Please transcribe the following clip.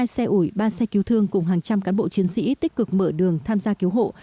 hai xe ủi ba xe cứu thương cùng hàng trăm cán bộ chiến sĩ tích cực mở đường tham gia cứu hộ